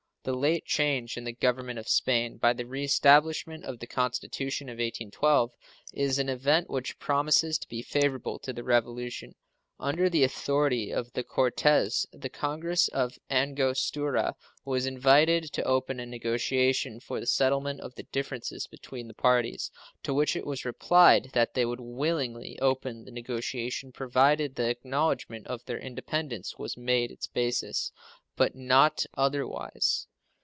The late change in the Government of Spain, by the reestablishment of the constitution of 1812, is an event which promises to be favorable to the revolution. Under the authority of the Cortes the Congress of Angostura was invited to open a negotiation for the settlement of differences between the parties, to which it was replied that they would willingly open the negotiation provided the acknowledgment of their independence was made its basis, but not otherwise.